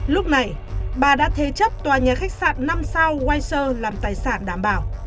lúc này bà đã thế chấp tòa nhà khách sạn năm sao wise làm tài sản đảm bảo